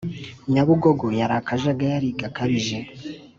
Nyabungogo yari kajagari gakabije